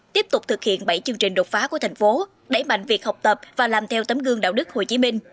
tiếp tục thực hiện bảy chương trình đột phá của thành phố đẩy mạnh việc học tập và làm theo tấm gương đạo đức hồ chí minh